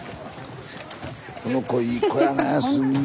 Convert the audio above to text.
この子いい子やねすんごい。